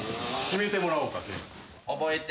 決めてもらおうか。